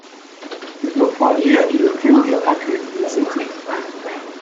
It looked like the end of Junior hockey in the city.